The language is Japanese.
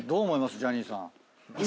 ジャニーさん。